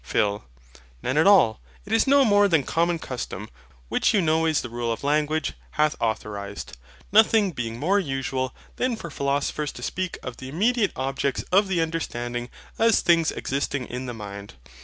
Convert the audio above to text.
PHIL. None at all. It is no more than common custom, which you know is the rule of language, hath authorised: nothing being more usual, than for philosophers to speak of the immediate objects of the understanding as things existing in the mind.